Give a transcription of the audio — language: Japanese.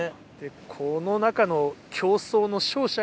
この中の競争の。